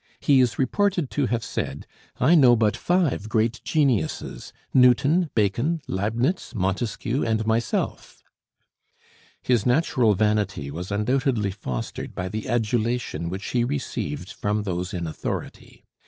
He is reported to have said, "I know but five great geniuses Newton, Bacon, Leibnitz, Montesquieu, and myself." His natural vanity was undoubtedly fostered by the adulation which he received from those in authority.